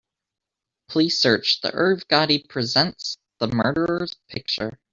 Please search the Irv Gotti Presents: The Murderers picture.